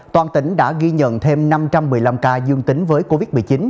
toàn tỉnh đã ghi nhận thêm năm trăm một mươi năm ca dương tính với covid một mươi chín